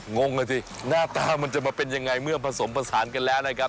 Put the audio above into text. งงอ่ะสิหน้าตามันจะมาเป็นยังไงเมื่อผสมผสานกันแล้วนะครับ